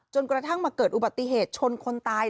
กระทั่งมาเกิดอุบัติเหตุชนคนตาย